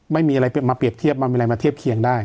ไม่มีอะไรมาเปรียบเทียบมันมีอะไรมาเทียบเคียงได้